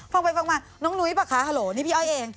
ฟังไปฟังมาน้องนุ้ยป่ะคะฮาโหลนี่พี่อ้อยเอง